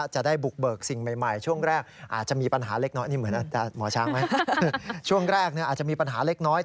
จะได้บุกเบิกสิ่งใหม่ช่วงแรกอาจจะมีปัญหาเล็กน้อย